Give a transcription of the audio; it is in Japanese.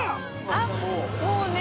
あっもうね